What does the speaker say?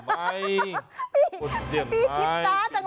พี่คิดจ้าจังเลย